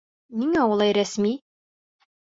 Ниңә улай рәсми?